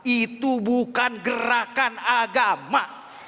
itu bukan gerakan agama